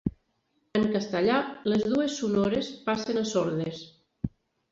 En castellà, les dues sonores passen a sordes.